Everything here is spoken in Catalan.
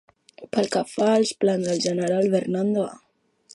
Pel que fa als plans del general Bernardo A.